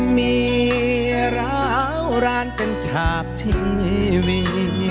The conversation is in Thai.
มีราวร้านกันฉากที่มี